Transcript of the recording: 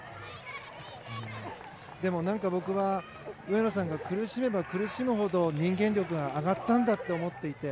でも、何か僕は上野さんが苦しめば苦しむほど人間力が上がったんだと思っていて。